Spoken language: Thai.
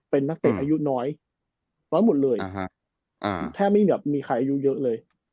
เป็นนักเตะอายุน้อยน้อยหมดเลยแทบไม่แบบมีใครอายุเยอะเลย